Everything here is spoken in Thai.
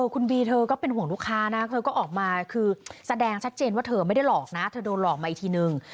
คุณบีเธอก็เป็นห่วงลูกค้านะเธอก็ออกมาคือแสดงชัดเจนว่าเธอไม่ได้หลอกนะเธอโดนหลอกมาอีกทีนึง